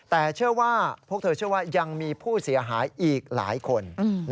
แต่เชื่อว่าพวกเธอเชื่อว่ายังมีผู้เสียหายอีกหลายคน